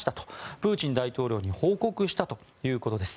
プーチン大統領に報告したということです。